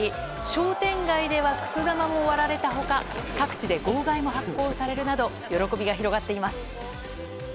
商店街では、くす玉も割られた他各地で号外も発行されるなど喜びが広がっています。